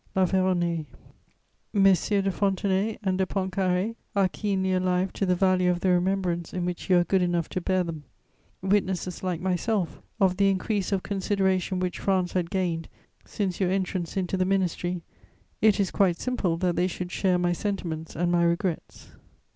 "LA FERRONAYS." "Messieurs de Fontenay and de Pontcarré are keenly alive to the value of the remembrance in which you are good enough to bear them: witnesses, like myself, of the increase of consideration which France had gained since your entrance into the ministry, it is quite simple that they should share my sentiments and my regrets."